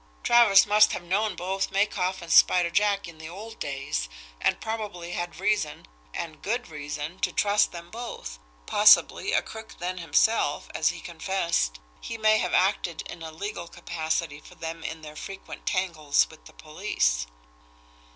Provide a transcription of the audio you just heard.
Travers must have known both Makoff and Spider Jack in the old days, and probably had reason, and good reason, to trust them both possibly, a crook then himself, as he confessed, he may have acted in a legal capacity for them in their frequent tangles with the police."